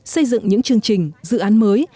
xây dựng những chương trình dự án mới